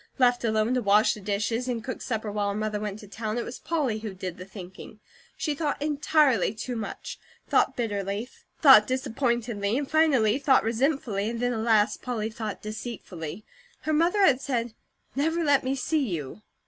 Left alone to wash the dishes and cook supper while her mother went to town, it was Polly, who did the thinking. She thought entirely too much, thought bitterly, thought disappointedly, and finally thought resentfully, and then alas, Polly thought deceitfully. Her mother had said: "Never let me see you."